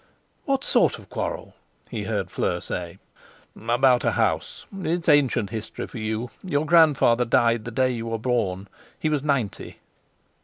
"What sort of a quarrel?" he heard Fleur say. "About a house. It's ancient history for you. Your grandfather died the day you were born. He was ninety."